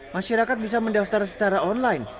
masyarakat bisa mendaftar secara online